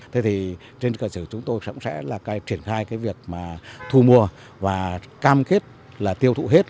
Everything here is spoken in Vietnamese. thì trên cơ sở chúng tôi sẽ triển khai việc thu mua và cam kết tiêu thụ hết